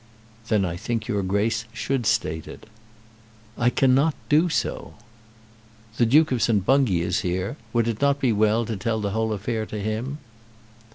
"Then I think your Grace should state it." "I cannot do so." "The Duke of St. Bungay is here. Would it not be well to tell the whole affair to him?"